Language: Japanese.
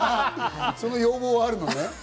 その要望もあるのね。